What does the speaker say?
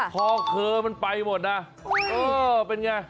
พอเธอมันไปหมดนะเออเป็นไง